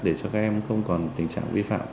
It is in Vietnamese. để cho các em không còn tình trạng vi phạm